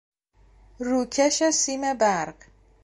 روکش سیم برق